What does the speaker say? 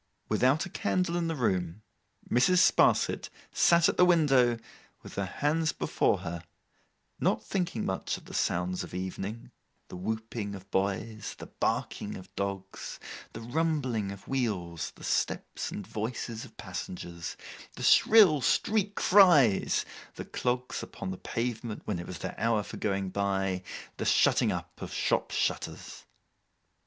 Without a candle in the room, Mrs. Sparsit sat at the window, with her hands before her, not thinking much of the sounds of evening; the whooping of boys, the barking of dogs, the rumbling of wheels, the steps and voices of passengers, the shrill street cries, the clogs upon the pavement when it was their hour for going by, the shutting up of shop shutters.